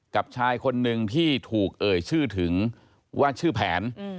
กับชายคนนึงที่ถูกเอ่ยชื่อถึงว่าชื่อแผน